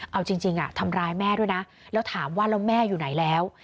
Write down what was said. เอาจริงทำร้ายแม่ด้วยนะแล้วถามว่าแล้วแม่อยู่ไหนแล้ว